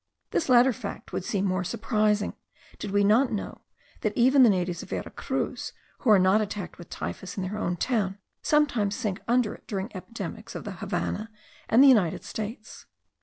This latter fact would seem more surprising, did we not know, that even the natives of Vera Cruz, who are not attacked with typhus in their own town, sometimes sink under it during the epidemics of the Havannah and the United States.